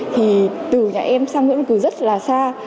thì từ nhà em sang nguyễn văn cử rất là xa